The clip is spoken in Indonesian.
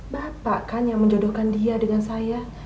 bapak kan yang menjodohkan dia dengan saya